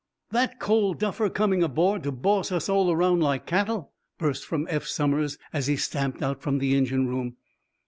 "That cold duffer coming aboard to boss us all around like cattle?" burst from Eph Somers, as he stamped out from the engine room.